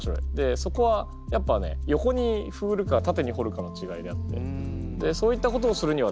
そこはやっぱね横にふるか縦にほるかのちがいであってそういったことをするにはですね